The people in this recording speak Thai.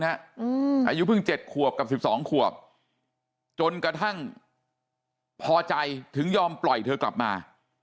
อายุเพิ่ง๗ขวบกับ๑๒ขวบจนกระทั่งพอใจถึงยอมปล่อยเธอกลับมา